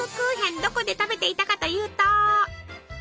どこで食べていたかというと。